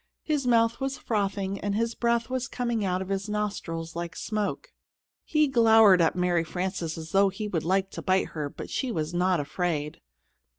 His mouth was frothing and his breath was coming out of his nostrils like smoke. He glowered at Mary Frances as though he would like to bite her, but she was not afraid.